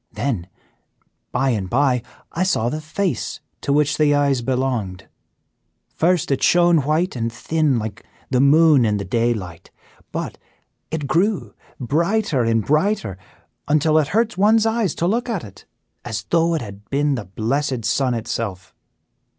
Then, by and by, I saw the face to which the eyes belonged. First, it shone white and thin like the moon in the daylight; but it grew brighter and brighter, until it hurt one's eyes to look at it, as though it had been the blessed sun itself.